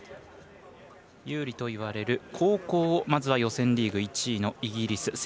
有利といわれる後攻をまずは予選リーグ１位のイギリス。